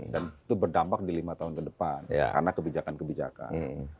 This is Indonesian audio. dan itu berdampak di lima tahun ke depan karena kebijakan kebijakan